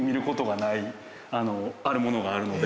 あるものがあるので。